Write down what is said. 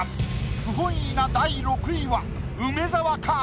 不本意な第６位は梅沢か？